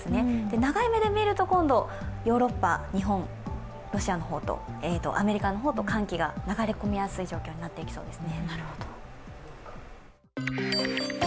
長い目で見ると今度ヨーロッパ、日本、ロシアの方、アメリカの方と寒気が流れ込みやすい状況になっていますね。